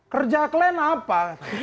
kerja kalian apa